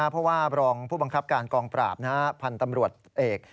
เพราะว่ารองผู้บังคับการกองปราบพันธุ์ตำรวจเอก